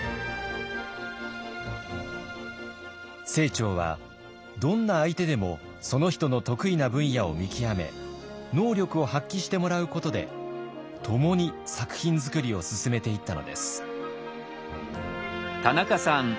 清張はどんな相手でもその人の得意な分野を見極め能力を発揮してもらうことで共に作品作りを進めていったのです。